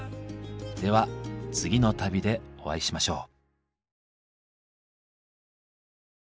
では次の旅でお会いしましょう。